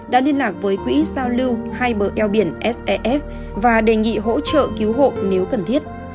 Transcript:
đã liên lạc với quỹ giao lưu hai bờ eo biển sef và đề nghị hỗ trợ cứu hộ nếu cần thiết